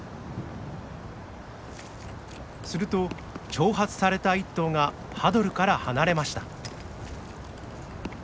すると挑発された１頭がハドルから離れました。